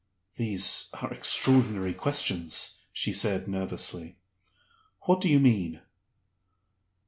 "These are extraordinary questions," she said, nervously. "What do you mean?"